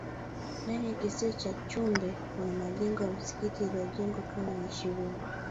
ndani ya kisiwa cha chumbe kuna majengo ya msikiti yalijengwa karne ya ishirini